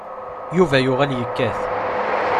Yuba yuɣal yekkat.